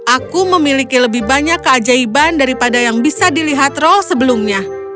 aku memiliki lebih banyak keajaiban daripada yang bisa dilihat roll sebelumnya